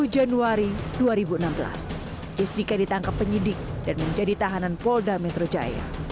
dua puluh januari dua ribu enam belas jessica ditangkap penyidik dan menjadi tahanan polda metro jaya